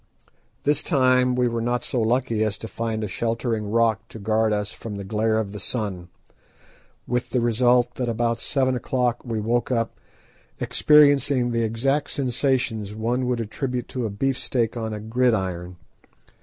This time we were not so lucky as to find a sheltering rock to guard us from the glare of the sun, with the result that about seven o'clock we woke up experiencing the exact sensations one would attribute to a beefsteak on a gridiron.